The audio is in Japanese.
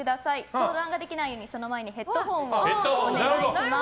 相談ができないようにヘッドホンをお願いします。